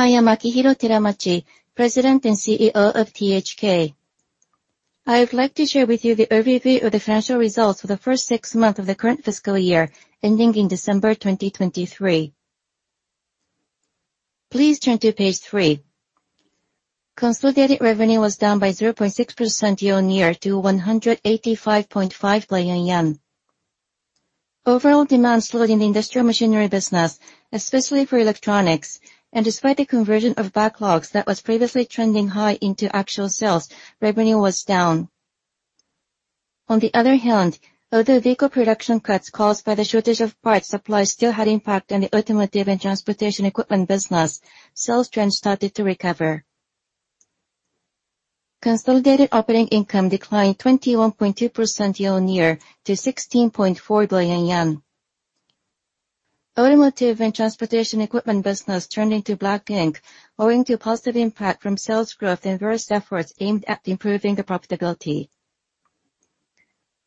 I am Akihiro Teramachi, President and CEO of THK. I would like to share with you the overview of the financial results for the first six months of the current fiscal year, ending in December 2023. Please turn to page three. Consolidated revenue was down by 0.6% year-on-year to 185.5 billion yen. Overall demand slowed in the industrial machinery business, especially for electronics, and despite the conversion of backlogs that was previously trending high into actual sales, revenue was down. On the other hand, although vehicle production cuts caused by the shortage of parts supplies still had impact on the automotive and transportation equipment business, sales trends started to recover. Consolidated operating income declined 21.2% year-on-year to 16.4 billion yen. Automotive and transportation equipment business turned into black ink, owing to positive impact from sales growth and various efforts aimed at improving the profitability.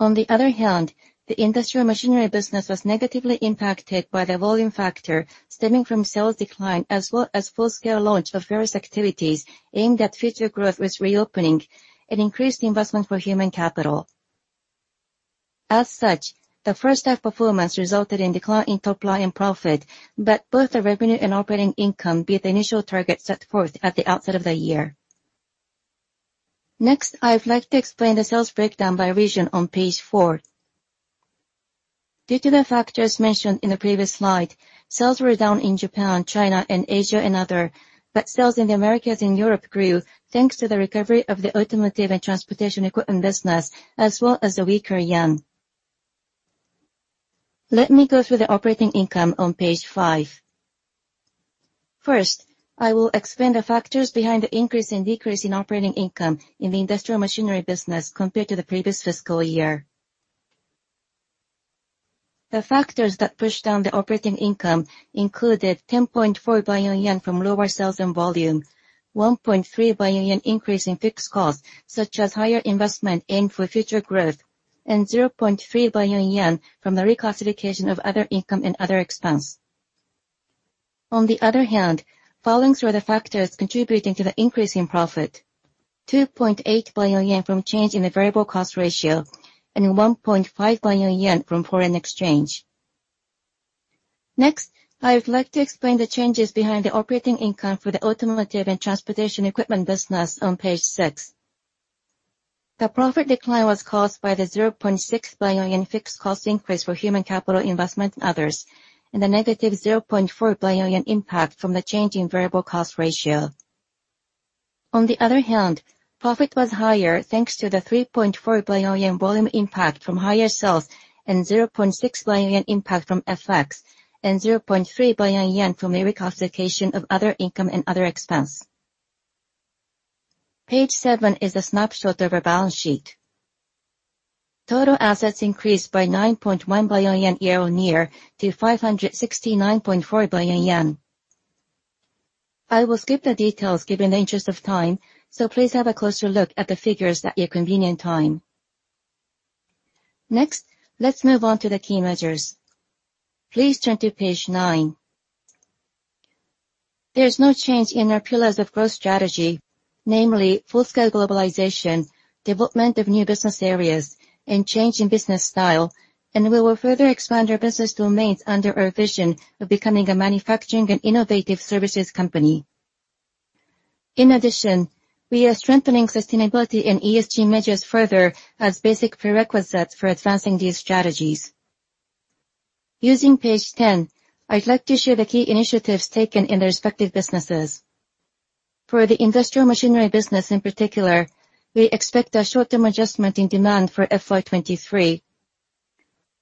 On the other hand, the industrial machinery business was negatively impacted by the volume factor stemming from sales decline, as well as full-scale launch of various activities aimed at future growth with reopening and increased investment for human capital. As such, the first half performance resulted in decline in top-line profit, but both the revenue and operating income beat the initial target set forth at the outset of the year. Next, I'd like to explain the sales breakdown by region on page four. Due to the factors mentioned in the previous slide, sales were down in Japan, China, and Asia and Other, but sales in the Americas and Europe grew, thanks to the recovery of the automotive and transportation equipment business, as well as the weaker yen. Let me go through the operating income on page five. First, I will explain the factors behind the increase and decrease in operating income in the industrial machinery business compared to the previous fiscal year. The factors that pushed down the operating income included 10.4 billion yen from lower sales and volume, 1.3 billion yen increase in fixed costs, such as higher investment aimed for future growth, and 0.3 billion yen from the reclassification of other income and other expense. Following through the factors contributing to the increase in profit, 2.8 billion yen from change in the variable cost ratio, and 1.5 billion yen from foreign exchange. I would like to explain the changes behind the operating income for the automotive and transportation equipment business on page six. The profit decline was caused by the 0.6 billion fixed cost increase for human capital investment and others, and a -0.4 billion impact from the change in variable cost ratio. Profit was higher, thanks to the 3.4 billion yen volume impact from higher sales, and 0.6 billion yen impact from FX, and 0.3 billion yen from a reclassification of other income and other expense. Page seven is a snapshot of our balance sheet. Total assets increased by 9.1 billion yen year-on-year to 569.4 billion yen. I will skip the details given the interest of time, so please have a closer look at the figures at your convenient time. Next, let's move on to the key measures. Please turn to page nine. There is no change in our pillars of growth strategy, namely full-scale globalization, development of new business areas, and change in business style, and we will further expand our business domains under our vision of becoming a manufacturing and innovative services company. In addition, we are strengthening sustainability and ESG measures further as basic prerequisites for advancing these strategies. Using page 10, I'd like to share the key initiatives taken in the respective businesses. For the industrial machinery business in particular, we expect a short-term adjustment in demand for FY 2023.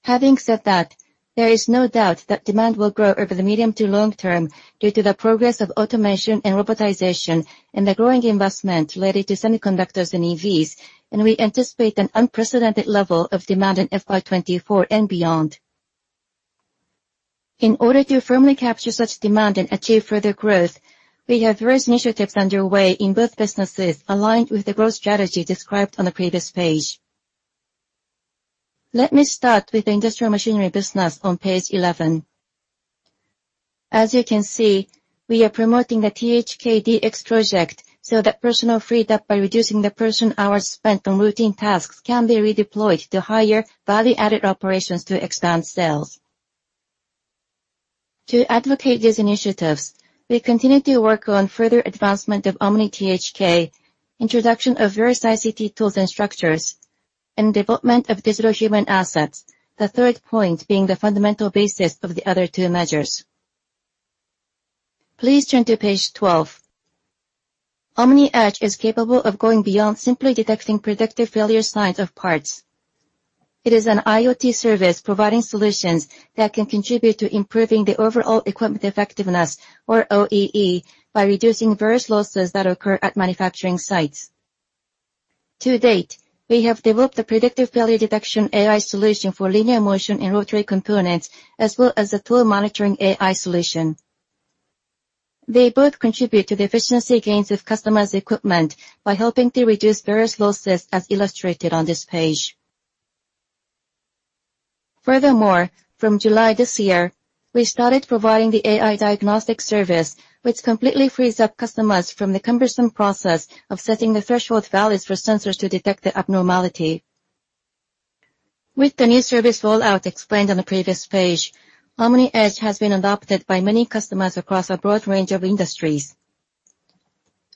Having said that, there is no doubt that demand will grow over the medium to long term due to the progress of automation and robotization, and the growing investment related to semiconductors and EVs, and we anticipate an unprecedented level of demand in FY 2024 and beyond. In order to firmly capture such demand and achieve further growth, we have various initiatives underway in both businesses, aligned with the growth strategy described on the previous page. Let me start with the industrial machinery business on page 11. As you can see, we are promoting the THK DX project so that personnel freed up by reducing the person hours spent on routine tasks can be redeployed to higher value-added operations to expand sales. To advocate these initiatives, we continue to work on further advancement of Omni THK, introduction of various ICT tools and structures, and development of digital human assets, the third point being the fundamental basis of the other two measures. Please turn to page 12. OMNIedge is capable of going beyond simply detecting predictive failure signs of parts. It is an IoT service providing solutions that can contribute to improving the overall equipment effectiveness, or OEE, by reducing various losses that occur at manufacturing sites. To date, we have developed a predictive failure detection AI solution for linear motion and rotary components, as well as a tool monitoring AI solution. They both contribute to the efficiency gains of customers' equipment by helping to reduce various losses, as illustrated on this page. Furthermore, from July this year, we started providing the AI Diagnostic Service, which completely frees up customers from the cumbersome process of setting the threshold values for sensors to detect the abnormality. With the new service rollout explained on the previous page, OMNIedge has been adopted by many customers across a broad range of industries.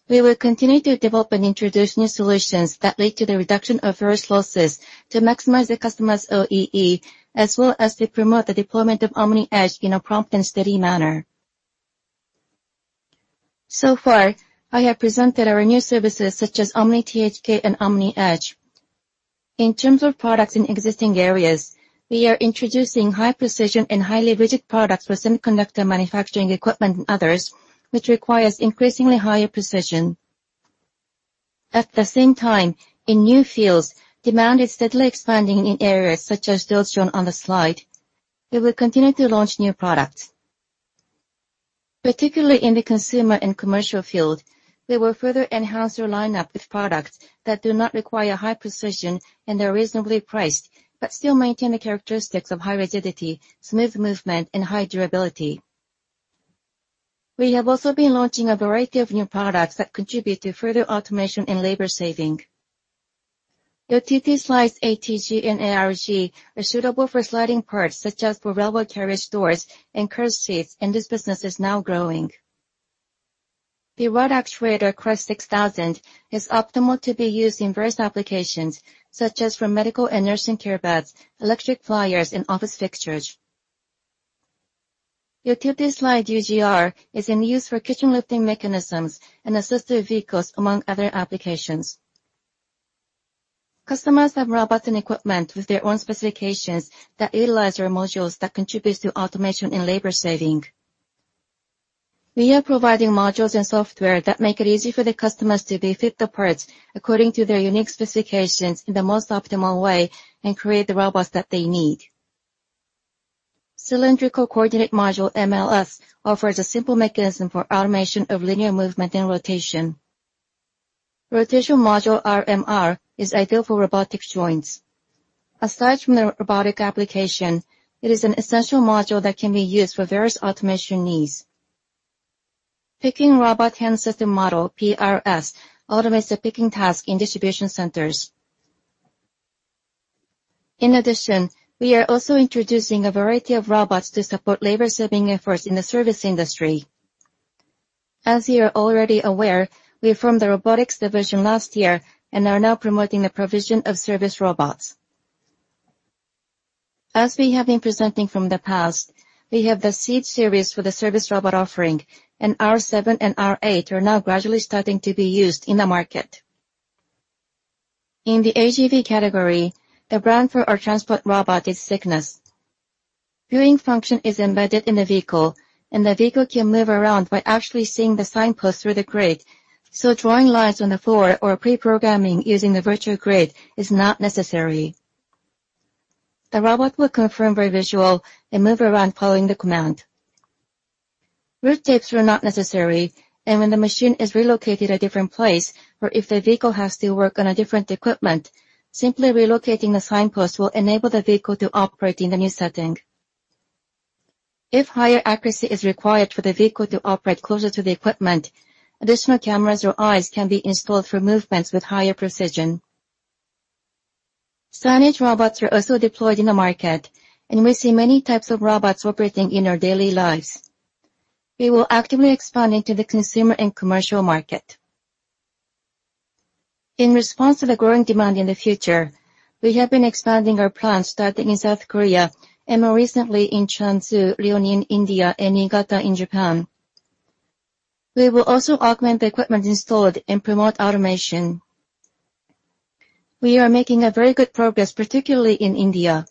We will continue to develop and introduce new solutions that lead to the reduction of various losses to maximize the customer's OEE, as well as to promote the deployment of OMNIedge in a prompt and steady manner. So far, I have presented our new services, such as Omni THK and OMNIedge. In terms of products in existing areas, we are introducing high precision and highly rigid products for semiconductor manufacturing equipment and others, which requires increasingly higher precision. At the same time, in new fields, demand is steadily expanding in areas such as those shown on the slide. We will continue to launch new products. Particularly in the consumer and commercial field, we will further enhance our lineup with products that do not require high precision and are reasonably priced, but still maintain the characteristics of high rigidity, smooth movement, and high durability. We have also been launching a variety of new products that contribute to further automation and labor saving. The TT Slide ATG and ARG are suitable for sliding parts, such as for railway carriage doors and curved seats, and this business is now growing. The rod actuator, Cross 6000, is optimal to be used in various applications, such as for medical and nursing care beds, electric pliers, and office fixtures. The TT Slide UGR is in use for kitchen lifting mechanisms and assisted vehicles, among other applications. Customers have robots and equipment with their own specifications that utilize our modules that contributes to automation and labor saving. We are providing modules and software that make it easy for the customers to befit the parts according to their unique specifications in the most optimal way, and create the robots that they need. Cylindrical coordinate module MLS offers a simple mechanism for automation of linear movement and rotation. Rotational module RMR is ideal for robotics joints. Aside from the robotic application, it is an essential module that can be used for various automation needs. Picking robot hand system model, PRS, automates the picking task in distribution centers. In addition, we are also introducing a variety of robots to support labor saving efforts in the service industry. As you are already aware, we formed the robotics division last year and are now promoting the provision of service robots. As we have been presenting from the past, we have the SEED series for the service robot offering, and R7 and R8 are now gradually starting to be used in the market. In the AGV category, the brand for our transport robot is SIGNAS. Viewing function is embedded in the vehicle, and the vehicle can move around by actually seeing the signpost through the grid, so drawing lines on the floor or pre-programming using the virtual grid is not necessary. The robot will confirm very visual and move around following the command. Route tapes are not necessary, and when the machine is relocated a different place, or if the vehicle has to work on a different equipment, simply relocating the signpost will enable the vehicle to operate in the new setting. If higher accuracy is required for the vehicle to operate closer to the equipment, additional cameras or eyes can be installed for movements with higher precision. Storage robots are also deployed in the market, and we see many types of robots operating in our daily lives. We will actively expand into the consumer and commercial market. In response to the growing demand in the future, we have been expanding our plans, starting in South Korea, and more recently in Jiangsu, Liaoning, India, and Niigata in Japan. We will also augment the equipment installed and promote automation. We are making a very good progress, particularly in India.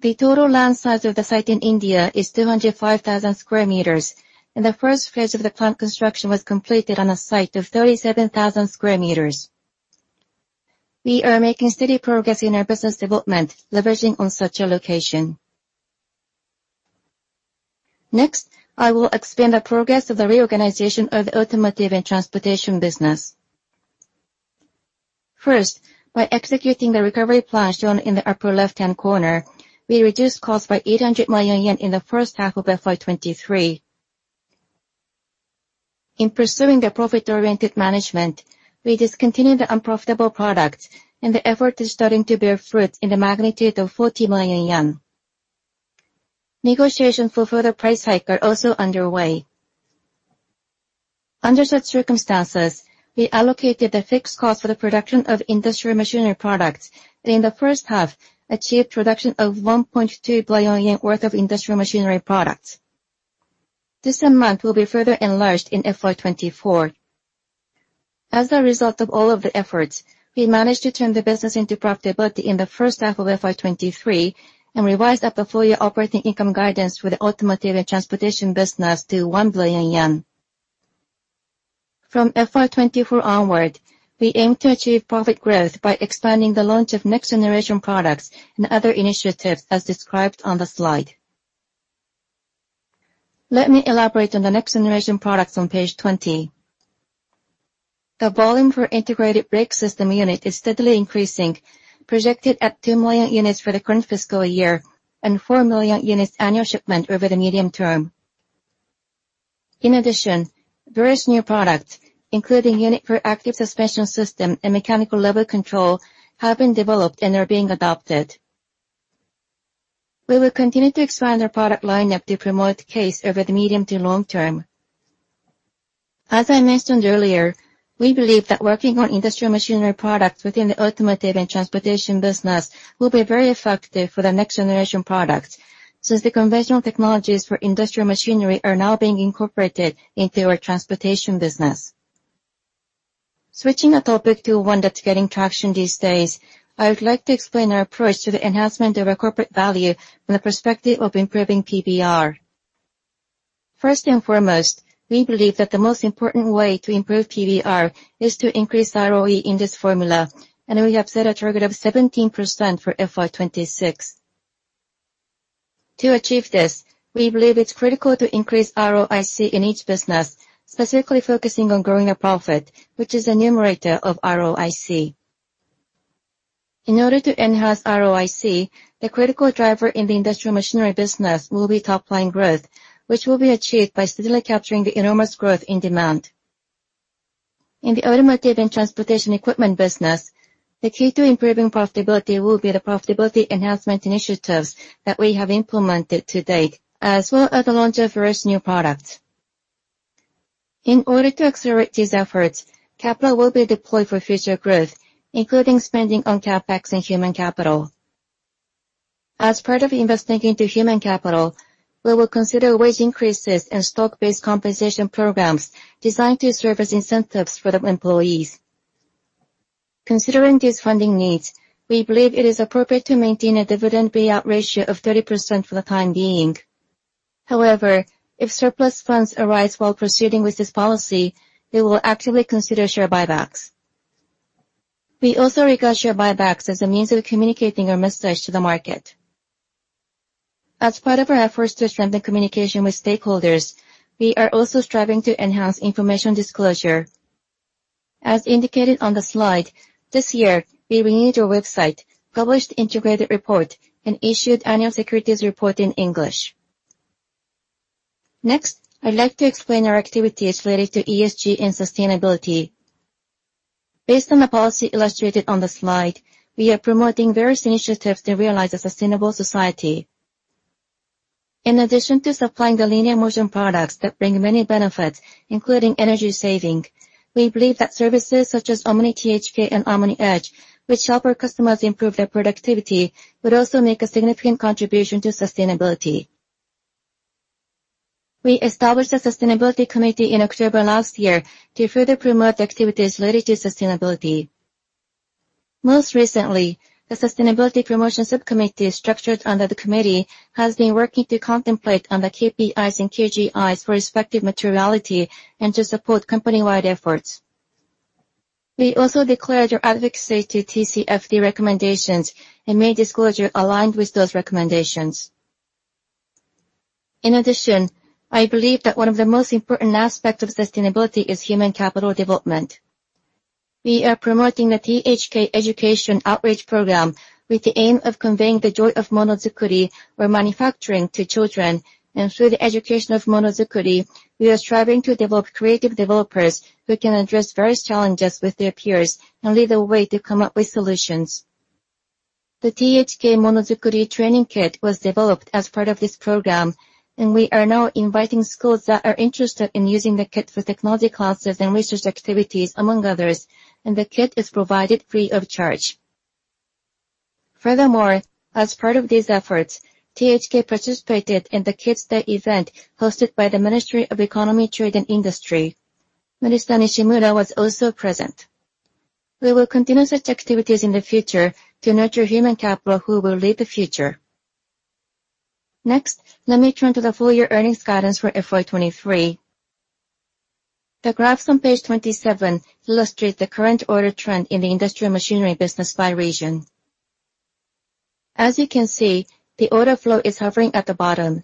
The total land size of the site in India is 205,000 sq m. The first phase of the plant construction was completed on a site of 37,000 sq m. We are making steady progress in our business development, leveraging on such a location. Next, I will explain the progress of the reorganization of the automotive and transportation business. First, by executing the recovery plan shown in the upper left-hand corner, we reduced costs by 800 million yen in the first half of FY 2023. In pursuing the profit-oriented management, we discontinued the unprofitable products. The effort is starting to bear fruit in the magnitude of 40 million yen. Negotiation for further price hike are also underway. Under such circumstances, we allocated a fixed cost for the production of industrial machinery products, and in the first half, achieved production of 1.2 billion yen worth of industrial machinery products. This amount will be further enlarged in FY 2024. As a result of all of the efforts, we managed to turn the business into profitability in the first half of FY 2023, and revised up the full year operating income guidance for the automotive and transportation business to JPY 1 billion. From FY 2024 onward, we aim to achieve profit growth by expanding the launch of next-generation products and other initiatives, as described on the slide. Let me elaborate on the next generation products on page 20. The volume for integrated brake system unit is steadily increasing, projected at 2 million units for the current fiscal year and 4 million units annual shipment over the medium term. In addition, various new products, including unit for active suspension system and mechanical level control, have been developed and are being adopted. We will continue to expand our product lineup to promote the CASE over the medium to long term. As I mentioned earlier, we believe that working on industrial machinery products within the automotive and transportation business will be very effective for the next generation products, since the conventional technologies for industrial machinery are now being incorporated into our transportation business. Switching the topic to one that's getting traction these days, I would like to explain our approach to the enhancement of our corporate value from the perspective of improving PBR. First and foremost, we believe that the most important way to improve PBR is to increase ROE in this formula, and we have set a target of 17% for FY 2026. To achieve this, we believe it's critical to increase ROIC in each business, specifically focusing on growing a profit, which is a numerator of ROIC. In order to enhance ROIC, the critical driver in the industrial machinery business will be top line growth, which will be achieved by steadily capturing the enormous growth in demand. In the automotive and transportation equipment business, the key to improving profitability will be the profitability enhancement initiatives that we have implemented to date, as well as the launch of various new products. In order to accelerate these efforts, capital will be deployed for future growth, including spending on CapEx and human capital. As part of investing into human capital, we will consider wage increases and stock-based compensation programs designed to serve as incentives for the employees. Considering these funding needs, we believe it is appropriate to maintain a dividend payout ratio of 30% for the time being. However, if surplus funds arise while proceeding with this policy, we will actively consider share buybacks. We also regard share buybacks as a means of communicating our message to the market. As part of our efforts to strengthen communication with stakeholders, we are also striving to enhance information disclosure. As indicated on the slide, this year, we renewed our website, published integrated report, and issued annual securities report in English. Next, I'd like to explain our activities related to ESG and sustainability. Based on the policy illustrated on the slide, we are promoting various initiatives to realize a sustainable society. In addition to supplying the linear motion products that bring many benefits, including energy saving, we believe that services such as Omni THK and OMNIedge, which help our customers improve their productivity, would also make a significant contribution to sustainability. We established a Sustainability Committee in October last year to further promote activities related to sustainability. Most recently, the Sustainability Promotion Subcommittee, structured under the committee, has been working to contemplate on the KPIs and KGIs for respective materiality and to support company-wide efforts. We also declared our advocacy to TCFD recommendations and made disclosure aligned with those recommendations. I believe that one of the most important aspects of sustainability is human capital development. We are promoting the THK Education Outreach program with the aim of conveying the joy of monozukuri, or manufacturing, to children, and through the education of monozukuri, we are striving to develop creative developers who can address various challenges with their peers and lead the way to come up with solutions. The THK Monozukuri training kit was developed as part of this program, and we are now inviting schools that are interested in using the kit for technology classes and research activities, among others, and the kit is provided free of charge. Furthermore, as part of these efforts, THK participated in the Kids Day event hosted by the Ministry of Economy, Trade and Industry. Minister Nishimura was also present. We will continue such activities in the future to nurture human capital who will lead the future. Next, let me turn to the full year earnings guidance for FY 2023. The graphs on page 27 illustrate the current order trend in the industrial machinery business by region. As you can see, the order flow is hovering at the bottom.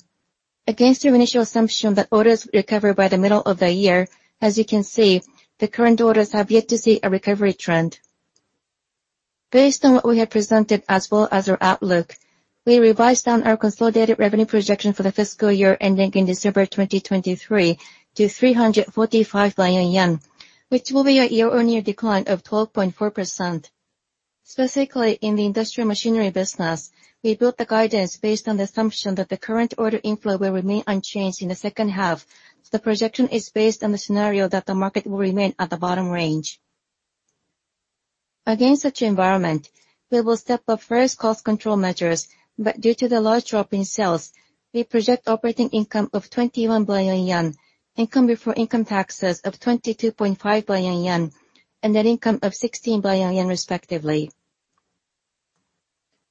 Against your initial assumption that orders will recover by the middle of the year, as you can see, the current orders have yet to see a recovery trend. Based on what we have presented, as well as our outlook, we revised down our consolidated revenue projection for the fiscal year ending in December 2023 to 345 billion yen, which will be a year-on-year decline of 12.4%. Specifically, in the industrial machinery business, we built the guidance based on the assumption that the current order inflow will remain unchanged in the second half. The projection is based on the scenario that the market will remain at the bottom range. Against such environment, we will step up various cost control measures. Due to the large drop in sales, we project operating income of 21 billion yen, income before income taxes of 22.5 billion yen, and net income of 16 billion yen, respectively.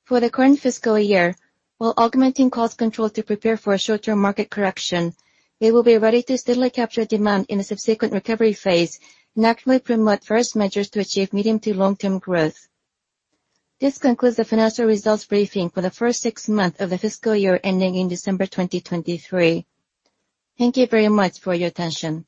For the current fiscal year, while augmenting cost control to prepare for a short-term market correction, we will be ready to steadily capture demand in the subsequent recovery phase and actively promote first measures to achieve medium to long-term growth. This concludes the financial results briefing for the first six months of the fiscal year ending in December 2023. Thank you very much for your attention.